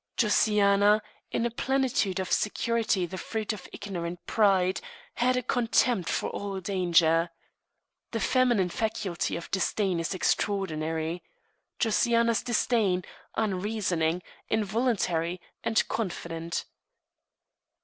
Josiana, in a plenitude of security the fruit of ignorant pride, had a contempt for all danger. The feminine faculty of disdain is extraordinary. Josiana's disdain, unreasoning, involuntary, and confident.